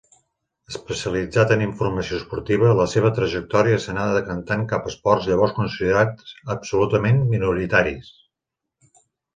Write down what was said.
Especialitzat en informació esportiva, la seva trajectòria s'anà decantant cap esports llavors considerats absolutament minoritaris.